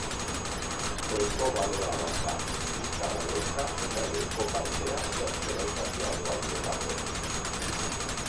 Ohiko balea bat da, bizkarra beltza eta beheko partea zertxobait argiagoa duelako.